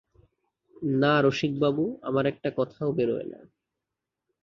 না রসিকবাবু, আমার একটা কথাও বেরোয় না।